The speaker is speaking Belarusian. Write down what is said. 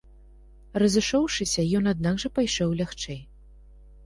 Разышоўшыся, ён аднак жа пайшоў лягчэй.